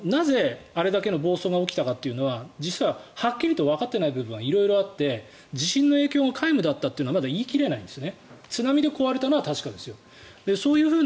なぜ、あれだけの暴走が起きたかというのは実ははっきりとわかっていない部分がいっぱいあって地震の影響が皆無だったというのは言い切れないんです。